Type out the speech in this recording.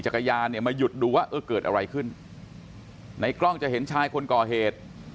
เนี่ยมาหยุดดูว่าเออเกิดอะไรขึ้นในกล้องจะเห็นชายคนก่อเหตุ